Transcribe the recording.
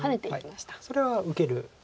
それは受ける。